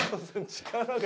力が。